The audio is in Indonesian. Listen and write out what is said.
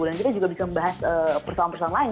dan kita juga bisa membahas persoalan persoalan lain